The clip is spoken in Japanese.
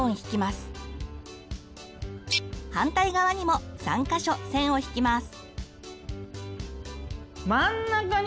反対側にも３か所線を引きます。